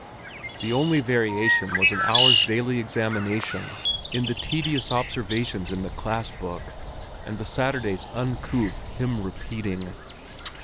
The only variation was an hour's daily examination in the tedious observations in the class book, and the Saturday's uncouth hymn repeating.